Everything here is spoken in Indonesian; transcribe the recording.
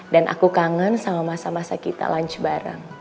dan aku kangen sama masa masa kita lunch bareng